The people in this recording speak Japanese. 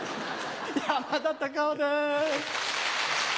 山田隆夫です。